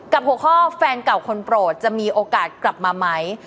หัวข้อแฟนเก่าคนโปรดจะมีโอกาสกลับมาไหม